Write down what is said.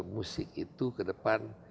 musik itu ke depan